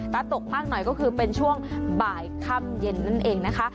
แต่ตกมากหน่อยก็คือเป็นช่วงบ่ายค่ำเย็นนั่นเองนะคะ